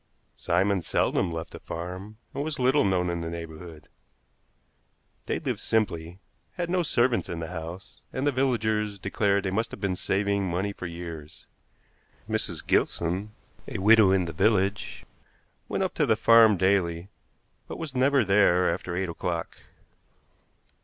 Simon seldom left the farm, and was little known in the neighborhood. They lived simply, had no servants in the house, and the villagers declared they must have been saving money for years. Mrs. Gilson, a widow in the village, went up to the farm daily, but was never there after eight o'clock.